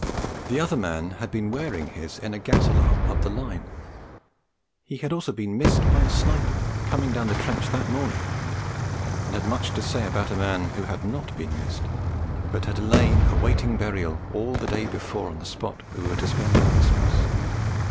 The other man had been wearing his in a gas alarm up the Line; he had also been missed by a sniper, coming down the trench that morning; and had much to say about a man who had not been missed, but had lain, awaiting burial, all the day before on the spot where we were to spend our Christmas